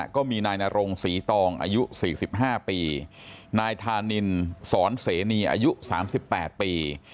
ก็มีนายนรงศรีตองอายุ๔๕ปีนายธานินสอนเสนีอายุ๓๘ปี